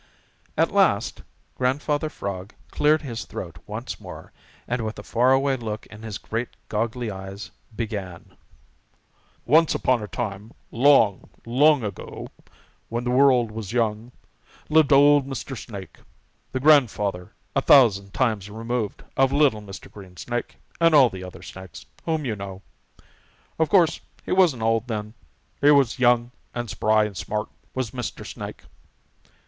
At last Grandfather Frog cleared his throat once more, and with a far away look in his great, goggly eyes began: "Once upon a time, long, long ago, when the world was young, lived old Mr. Snake, the grandfather a thousand times removed of little Mr. Greensnake and all the other Snakes whom you know. Of course he wasn't old then. He was young and spry and smart, was Mr. Snake.